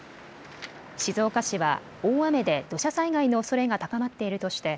静岡市は大雨で土砂災害のおそれが高まっているとして